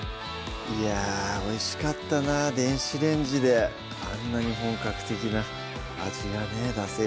いやおいしかったな電子レンジであんなに本格的な味がね出せる